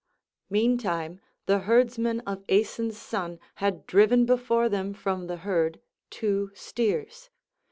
Meantime the herdsmen of Aeson's son had driven before them from the herd two steers.